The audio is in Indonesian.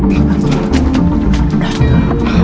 tunggu sebentar pak